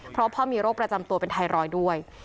เพราะพ่อมีโรคประจำตัวเป็นไทรอยด์ด้วย